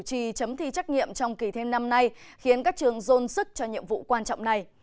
các trường đại học chủ trì chấm thi trắc nghiệm trong kỳ thêm năm nay khiến các trường rôn sức cho nhiệm vụ quan trọng này